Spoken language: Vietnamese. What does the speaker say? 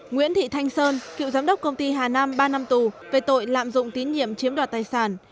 nguyễn thị thanh sơn cựu giám đốc công ty hà nam ba năm tù về tội lạm dụng tín nhiệm chiếm đoạt tài sản